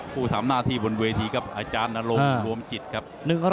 ผู้ทำหน้าที่บนเวทีครับอาจารย์นรงค์รวมจิตครับ